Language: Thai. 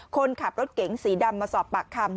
คนขับรถเก๋งสีดำมาสอบปากคำ